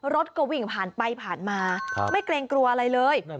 รถก็วิ่งผ่านไปผ่านมาไม่เกรงกลัวอะไรเลย